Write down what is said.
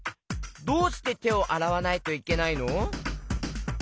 どうしててをあらわないといけないの？